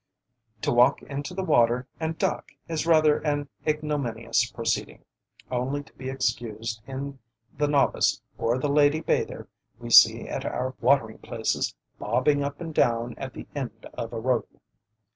To walk into the water and "duck" is rather an ignominious proceeding, only to be excused in the novice or the lady bather we see at our watering places bobbing up and down at the end of a rope.